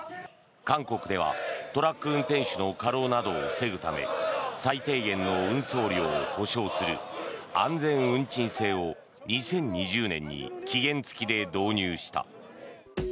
韓国ではトラック運転手の過労などを防ぐため最低限の運送料を保証する安全運賃制を２０２０年に期限付きで導入した。